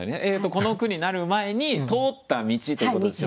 この句になる前に通った道ということですよね。